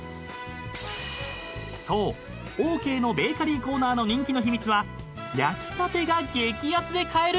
［そうオーケーのベーカリーコーナーの人気の秘密は焼きたてが激安で買える！］